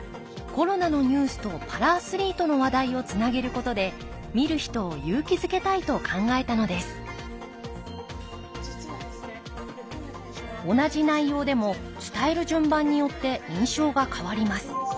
コロナのニュースとパラアスリートの話題をつなげることで見る人を勇気づけたいと考えたのです同じ内容でも伝える順番によって印象が変わります。